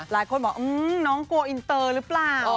หลายคนบอกน้องกลัวอินเตอร์หรือเปล่า